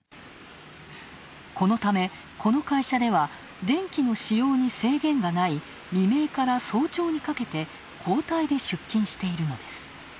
このため、この会社では電気の使用に制限がない未明から早朝にかけて交代で出勤しているのです。